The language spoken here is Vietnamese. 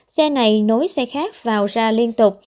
xe này nối xe khác vào ra liên tục